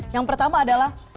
yang pertama adalah